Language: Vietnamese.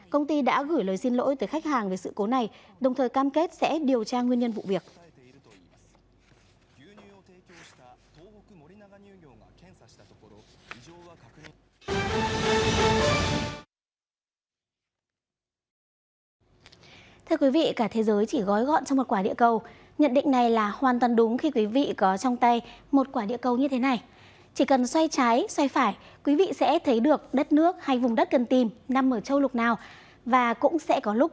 công ty đã gửi lời xin lỗi tới khách hàng về sự cố này đồng thời cam kết sẽ điều tra nguyên nhân vụ việc